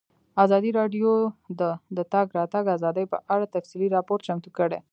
ازادي راډیو د د تګ راتګ ازادي په اړه تفصیلي راپور چمتو کړی.